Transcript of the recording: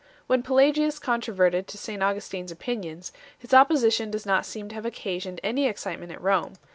When Pelagius controverted St Augustin s opinions, his opposition does not seem to have occasioned any excite ment at Rome.